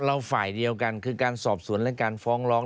ฝ่ายเดียวกันคือการสอบสวนและการฟ้องร้อง